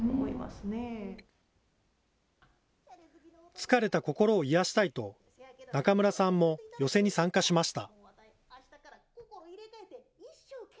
疲れた心を癒やしたいと、中村さんも寄席に参加しました。